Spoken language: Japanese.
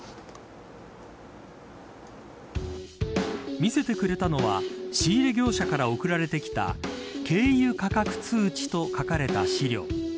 見せてくれたのは仕入れ業者から送られてきた軽油価格通知と書かれた資料。